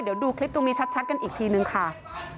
เดี๋ยวดูคลิปตรงนี้ชัดกันอีกทีนึงค่ะ